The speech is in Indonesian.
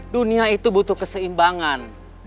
dunia itu butuh keseimbangan